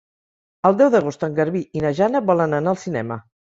El deu d'agost en Garbí i na Jana volen anar al cinema.